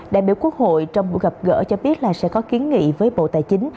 đại biểu quốc hội trong cuộc gặp gỡ cho biết là sẽ có kiến nghị với bộ tài chính